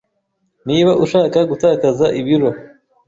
Niba ushaka gutakaza ibiro,